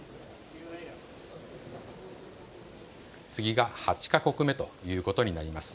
次が８か国目ということになります。